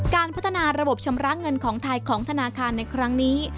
การพัฒนาระบบชำระเงินของไทยของธนาคารในครั้งนี้